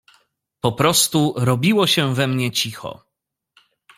Po prostu robiło się we mnie cicho.